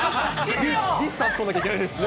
ディスタンス取らなきゃいけないですしね。